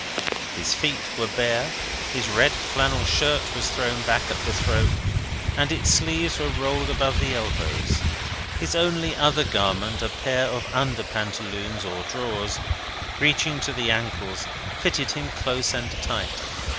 His feet were bare; his red flannel shirt was thrown back at the throat, and its sleeves were rolled above the elbows; his only other garment, a pair of under pantaloons or drawers, reaching to the ankles, fitted him close and tight.